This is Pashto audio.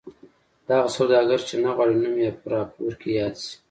دغه سوداګر چې نه غواړي نوم یې په راپور کې یاد شي.